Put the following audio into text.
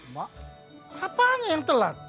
mak apanya yang telat